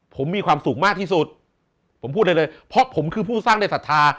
ผมมีความสุขมากที่สุดผมพูดได้เลยเพราะผมคือผู้สร้างได้ศรัทธา